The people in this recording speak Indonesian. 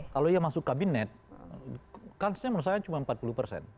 kalau dia masuk kabinet kan sebenarnya menurut saya cuma empat puluh persen